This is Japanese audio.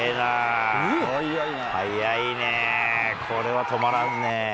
速いね、これは止まらんね。